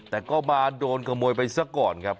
แต่ก็มาโดนขโมยไปซะก่อนครับ